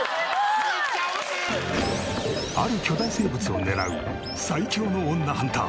ある巨大生物を狙う最強の女ハンター。